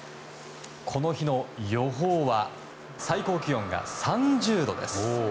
この日の予報は最高気温が３０度です。